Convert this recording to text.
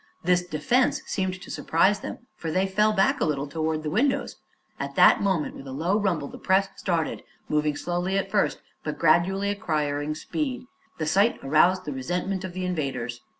This defense seemed to surprise them, for they fell back a little toward the windows. At that moment, with a low rumble, the press started, moving slowly at first but gradually acquiring speed. The sight aroused the resentment of the invaders.